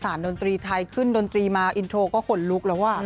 ดนตรีไทยขึ้นดนตรีมาอินโทรก็ขนลุกแล้ว